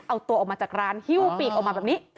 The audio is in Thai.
เอาตัวออกมาจากร้านฮิ้วปีกออกมาแบบนี้